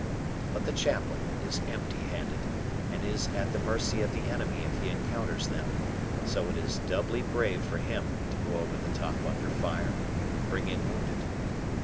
But the chaplain is empty handed, and is at the mercy of the enemy if he encounters them, so it is doubly brave for him to go over the top, under fire, and bring in wounded.